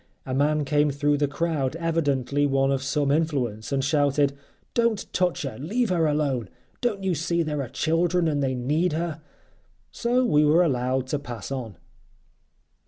A man came through the crowd, evidently one of some influence, and shouted: "Don't touch her, leave her alone; don't you see there are children and they need her?" So we were allowed to pass on.